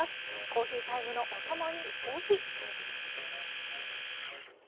コーヒータイムのお供にぜひ。